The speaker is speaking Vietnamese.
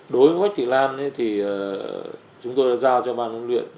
đối với quách thị lan thì chúng tôi đã giao cho ban huấn luyện